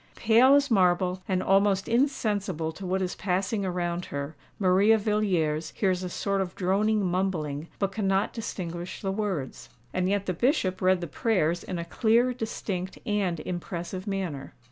Pale as marble, and almost insensible to what is passing around her, Maria Villiers hears a sort of droning mumbling, but cannot distinguish the words. And yet the Bishop read the prayers in a clear, distinct, and impressive manner.